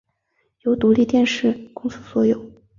由独立电视公司所有。